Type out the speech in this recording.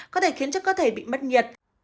có thể khiến cho cơ thể bị mất nhiệt